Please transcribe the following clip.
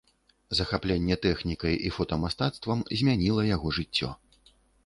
Захапленне тэхнікай і фотамастацтвам змяніла яго жыццё.